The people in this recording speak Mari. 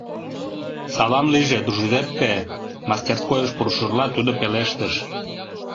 — Салам лийже, Джузеппе, — мастерскойыш пурышыжла тудо пелештыш.